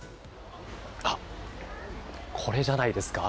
これじゃないですか。